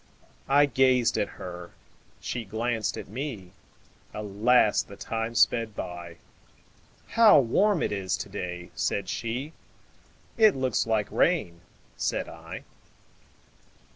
I gazed at her, she glanced at me; Alas! the time sped by:"How warm it is to day!" said she;"It looks like rain," said I.